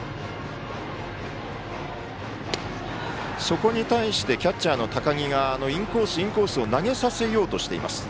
そこに対してキャッチャーの高木がインコースを投げさせようとしています。